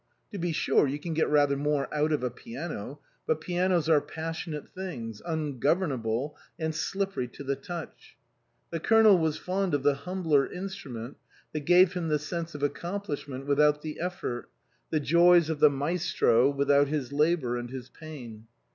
To be sure, you can get rather more out of a piano ; but pianos are passionate things, ungovernable and slippery to the touch. The Colonel was fond of the humbler instrument that gave him the sense of accomplishment without the effort, the joys of the maestro without his labour and his pain.